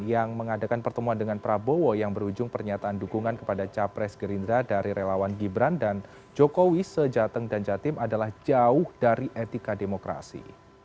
yang mengadakan pertemuan dengan prabowo yang berujung pernyataan dukungan kepada capres gerindra dari relawan gibran dan jokowi sejateng dan jatim adalah jauh dari etika demokrasi